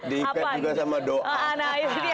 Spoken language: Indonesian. diikat juga sama doa